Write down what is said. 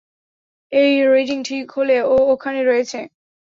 এই রিডিং ঠিক হলে, ও এখানে রয়েছে।